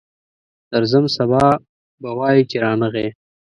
درځم، سبا به وایې چې رانغی.